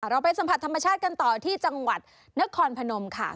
เราไปสัมผัสธรรมชาติกันต่อที่จังหวัดนครพนมค่ะ